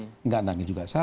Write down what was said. tidak menangis juga salah